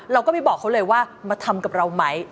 เราก็ไม่บอกเขาเลยว่ามาทำกับเราไหม